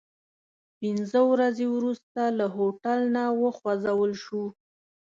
پنځه ورځې وروسته له هوټل نه وخوځول شوو.